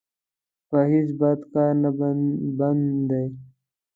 په هېڅ بد کار نه بند دی.